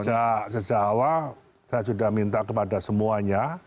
oh tidak karena sejak awal saya sudah minta kepada semuanya